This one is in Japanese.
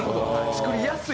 作りやすい。